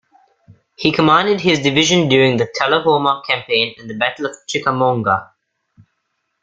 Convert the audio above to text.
He commanded his division during the Tullahoma Campaign and the Battle of Chickamauga.